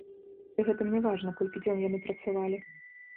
Пры гэтым не важна, колькі дзён яны працавалі.